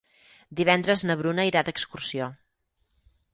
Divendres na Bruna irà d'excursió.